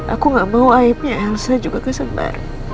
aku gak mau aibnya elsa juga kesembaran